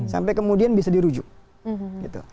sampai kemudian bisa dirujuk